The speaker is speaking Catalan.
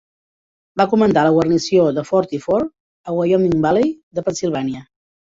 Va comandar la guarnició de Forty Fort a Wyoming Valley de Pennsilvània.